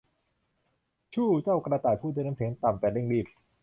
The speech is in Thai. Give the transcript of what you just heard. ชู่ว เจ้ากระต่ายพูดด้วยน้ำเสียงต่ำแต่เร่งรีบ